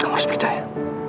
kamu harus percaya